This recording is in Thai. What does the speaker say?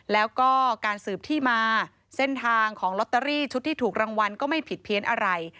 แล้วก็การสืบที่มาเส้นทางของลอตเตอรี่ชุดที่ถูกรางวัลก็ไม่ผิดเพี้ยนอะไร